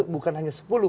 bukan hanya sepuluh